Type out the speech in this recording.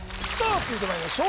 続いてまいりましょう